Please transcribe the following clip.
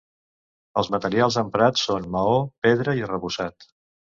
Els materials emprats són maó, pedra i arrebossat.